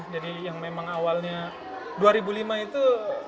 jadi yang memang awalnya dua ribu lima itu